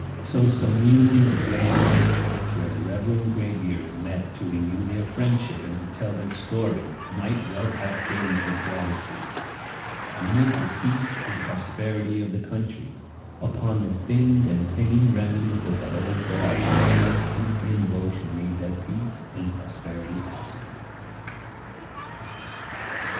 So some musing observer in the church where the reverend graybeards met to renew their friendship and to tell their story might well have gazed with gratitude, amid the peace and prosperity of the country, upon the thinned and thinning remnant of that old guard whose constancy and devotion made that peace and prosperity possible.